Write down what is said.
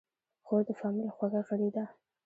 خور د فامیل خوږه غړي ده.